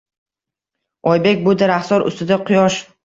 Oybek — bu daraxtzor ustida quyosh